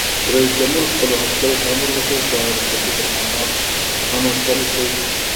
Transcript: رئیس جمهور خپلو عسکرو ته امر وکړ؛ د رخصتۍ پر مهال هم، عسکر اوسئ!